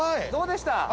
どうでした？